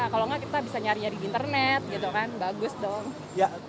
kalau enggak kita bisa nyari nyari di internet gitu kan bagus dong